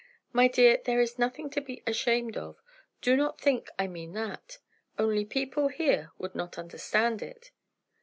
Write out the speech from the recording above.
"My dear, there is nothing to be ashamed of. Do not think I mean that. Only, people here would not understand it."